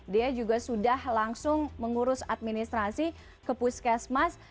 dia juga sudah langsung mengurus administrasi ke puskesmas